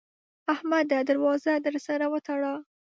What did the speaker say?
احمده! در وازه در سره وتړه.